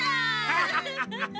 ハハハハハ！